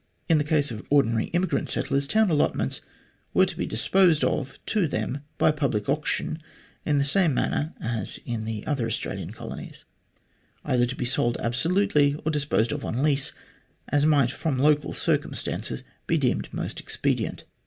In the case of ordinary immi grant settlers, town allotments were to be disposed of to them by public auction in the same manner as in the other Australian colonies either to be sold absolutely or disposed of on lease, as might from local circumstances be deemed most expedient.